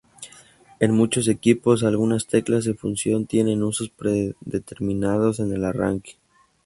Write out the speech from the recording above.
En muchos equipos, algunas teclas de función tienen usos predeterminados en el arranque.